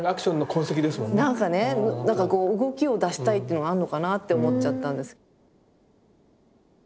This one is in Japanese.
なんか動きを出したいってのがあんのかなって思っちゃったんです。